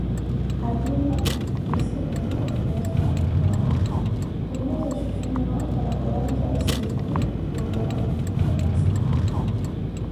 Halima khunssileza opheya swahiphu'awe Khumuza shoshonawe pára aranjari siikhu yoolawa okhutanaza